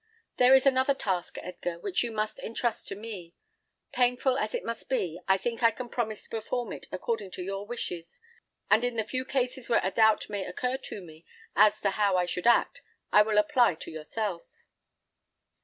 There is another task, Edgar, which you must entrust to me. Painful as it must be, I think I can promise to perform it according to your wishes; and in the few cases where a doubt may occur to me, as to how I should act, I will apply to yourself."